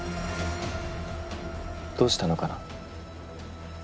どうしたのかな？